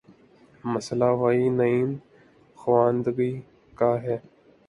مسئلہ وہی نیم خواندگی کا ہے۔